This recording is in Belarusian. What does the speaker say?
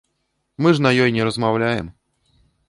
Мы ж на ёй не размаўляем.